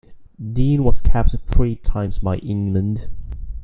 Deane was capped three times by England.